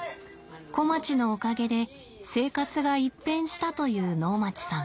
小町のおかげで生活が一変したという能町さん。